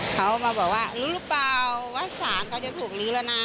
เขามาบอกว่ารู้หรือเปล่าว่าสารเขาจะถูกลื้อแล้วนะ